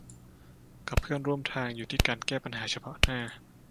กับเพื่อนร่วมทางอยู่ที่การแก้ปัญหาเฉพาะหน้า